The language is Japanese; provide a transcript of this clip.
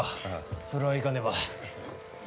それは行かねば。